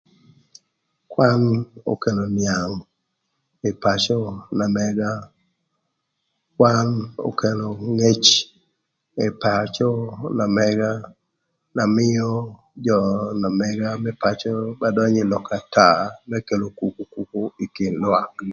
Kwan okelo nïang ï pacö na mëga, kwan okelo ngec ï pacö na mëga, na mïö jö na mëga më pacö ba dönyö ï lok ata më kelo kukukuku ï kin lwak.